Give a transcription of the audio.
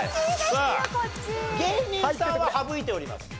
さあ芸人さんは省いております。